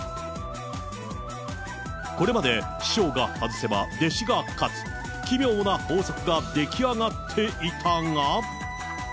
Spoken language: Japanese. これまで師匠が外せば弟子が勝つ、奇妙な法則が出来上がっていたが。